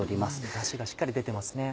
ダシがしっかり出てますね。